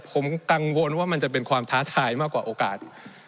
ผมกังวลว่ามันจะเป็นความท้าทายมากกว่าโอกาส